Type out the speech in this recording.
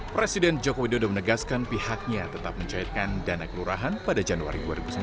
presiden joko widodo menegaskan pihaknya tetap mencairkan dana kelurahan pada januari dua ribu sembilan belas